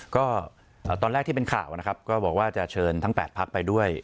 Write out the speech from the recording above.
ก็ตอนแรกที่เป็นข่าวนะครับก็บอกว่าจะเชิญทั้ง๘พักไปด้วย